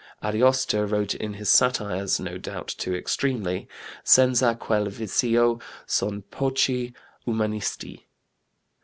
Ariosto wrote in his satires, no doubt too extremely: "Senza quel vizio son pochi umanisti."